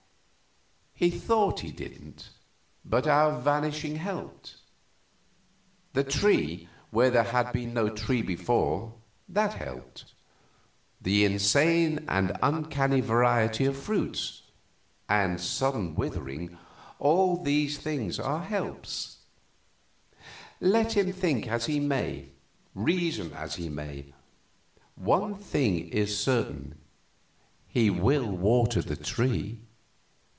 "He thought he didn't, but our vanishing helped. The tree, where there had been no tree before that helped. The insane and uncanny variety of fruits the sudden withering all these things are helps. Let him think as he may, reason as he may, one thing is certain, he will water the tree.